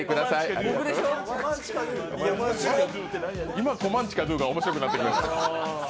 今、おマンチカンドゥが面白くなってきました。